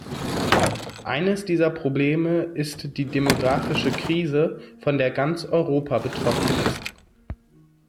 Eines dieser Probleme ist die demografische Krise, von der ganz Europa betroffen ist.